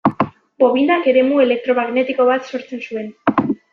Bobinak eremu elektromagnetiko bat sortzen zuen.